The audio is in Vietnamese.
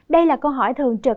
đây là câu hỏi thường trực